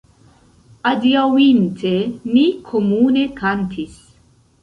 Adiaŭinte ni komune kantis.